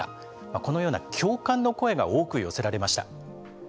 このような共感の声が多く寄せられました。